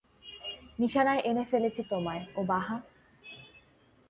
নিশানায় এনে ফেলেছি তোমায়, ওমাহা।